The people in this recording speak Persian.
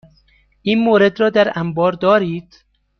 این مورد را در انبار دارید؟